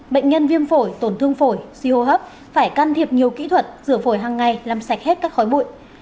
bệnh nhân viêm phổi tổn thương phổi suy hô hấp phải can thiệp nhiều kỹ thuật rửa phổi hằng ngày làm sạch hết các khói bụi